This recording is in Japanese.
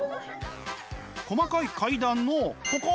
細かい階段のここ！